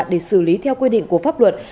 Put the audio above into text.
để xử lý theo quy định của pháp luật